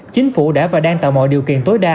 chính phủ đã và đang tạo mọi điều kiện tối đa